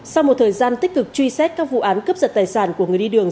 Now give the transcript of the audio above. sau một thời gian tích cực truy xét các vụ án cấp dật tài sản của người đi đường